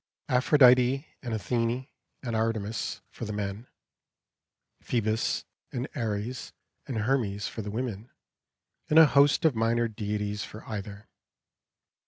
Aphrodite and Athene and Artemis for the men; Phœbus and Ares and Hermes for the women; and a host of minor deities for either.